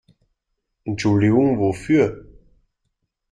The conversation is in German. Entschuldigung wofür?